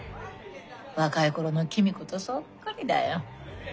若い頃の公子とそっくりだよ。